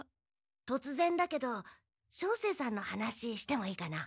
とつぜんだけど照星さんの話してもいいかな？